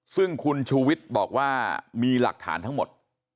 ซึ่งคุณชูวิทย์บอกว่ามีหลักฐานทั้งหมด